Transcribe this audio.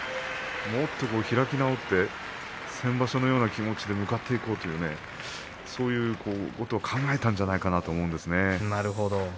もっと開き直って先場所のような気持ちで向かっていこうとそういうことを考えたんじゃないかなと思うんですね。